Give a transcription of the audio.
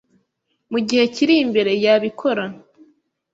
mu gihe kiri imbere yabikora